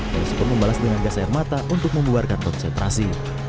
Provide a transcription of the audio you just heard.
polisi pun membalas dengan gas air mata untuk membuarkan konsentrasi